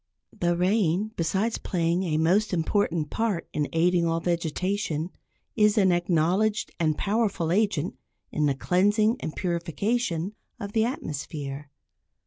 The rain, besides playing a most important part in aiding all vegetation, is an acknowledged and powerful agent in the cleansing and purification of the atmosphere.